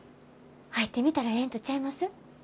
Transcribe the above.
入ってみたらええんとちゃいます？